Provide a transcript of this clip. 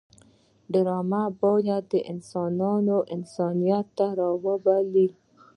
ډرامه باید انسانان انسانیت ته راوبولي